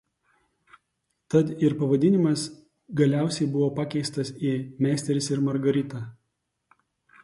Tad ir pavadinimas galiausiai buvo pakeistas į „Meisteris ir Margarita“.